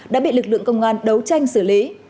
đã bị lực lượng công an đấu tranh xử lý